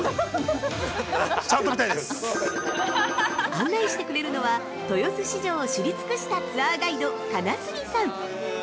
◆案内してくれるのは豊洲市場を知り尽くしたツアーガイド金杉さん！